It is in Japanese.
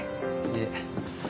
いえ。